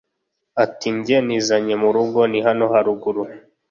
Ati” Njye nizanye mu rugo ni hano haruguru